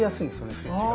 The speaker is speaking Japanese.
スイッチが。